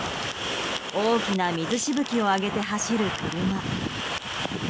大きな水しぶきを上げて走る車。